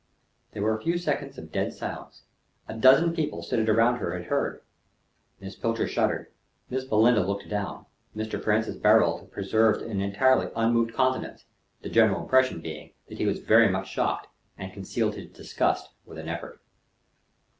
There were a few seconds of dead silence. A dozen people seated around her had heard. Miss Pilcher shuddered; Miss Belinda looked down; Mr. Francis Barold preserved an entirely unmoved countenance, the general impression being that he was very much shocked, and concealed his disgust with an effort.